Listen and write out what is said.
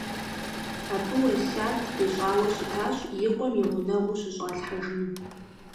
Абы уэсят къищӀауэ щытащ и къуэм и гъунэгъуу щыщӀалъхьэжыну.